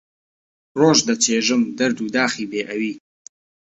ڕۆژ دەچێژم دەرد و داخی بێ ئەوی